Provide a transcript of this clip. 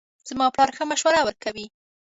زما پلار ښه مشوره ورکوي